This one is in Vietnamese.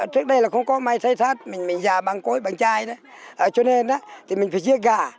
trước đây là không có mái xây xát mình già bằng cối bằng chai cho nên mình phải giết gà